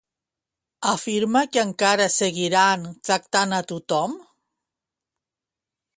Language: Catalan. Afirma que encara seguiran tractant a tothom?